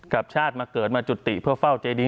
กับชาติมาเกิดมาจุติเพื่อเฝ้าเจดี